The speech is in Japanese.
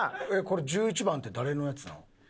これ１１番って誰のやつなん？